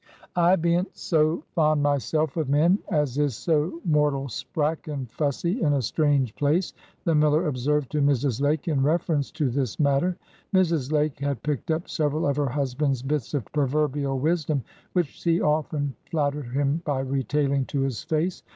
"I bean't so fond myself of men as is so mortal sprack and fussy in a strange place," the miller observed to Mrs. Lake in reference to this matter. Mrs. Lake had picked up several of her husband's bits of proverbial wisdom, which she often flattered him by retailing to his face.